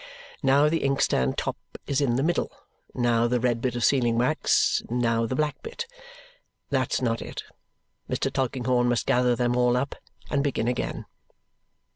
Now the inkstand top is in the middle, now the red bit of sealing wax, now the black bit. That's not it. Mr. Tulkinghorn must gather them all up and begin again.